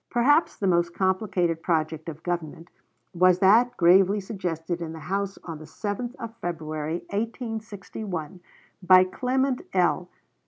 Perhaps the most complicated project of government was that gravely suggested in the House on the 7th of February, 1861, by Clement L.